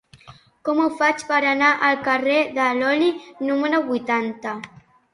Com ho faig per anar al carrer de l'Oli número vuitanta?